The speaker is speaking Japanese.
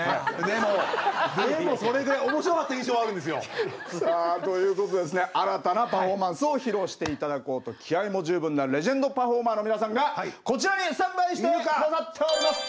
でもそれで面白かった印象はあるんですよ。ということで新たなパフォーマンスを披露して頂こうと気合いも十分なレジェンドパフォーマーの皆さんがこちらにスタンバイしてもらっております。